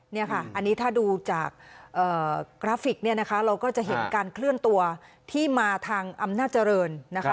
นี่ค่ะอันนี้ถ้าดูจากกราฟิกเนี่ยนะคะเราก็จะเห็นการเคลื่อนตัวที่มาทางอำนาจเจริญนะคะ